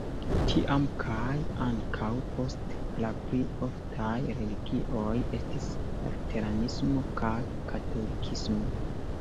Tiam kaj ankaŭ poste la pli oftaj religioj estis la luteranismo kaj katolikismo.